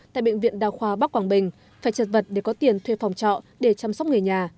tại bệnh viện đa khoa bắc quảng bình phải trật vật để có tiền thuê phòng trọ để chăm sóc người nhà